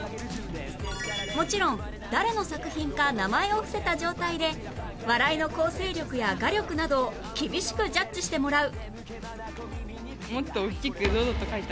もちろん誰の作品か名前を伏せた状態で笑いの構成力や画力などを厳しくジャッジしてもらう